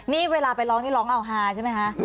นี่เวลาไปร้องนี่ร้องเอาฮาใช่ไหมคะ